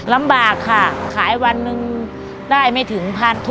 ลำบากขายวันนึงได้ไม่ถึงพันธุ์